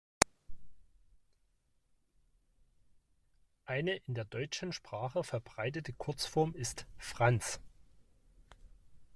Eine in der deutschen Sprache verbreitete Kurzform ist "Franz".